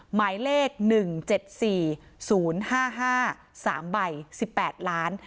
หมายเลข๑๗๔๐๕๕๓ใบ๑๘ล้าน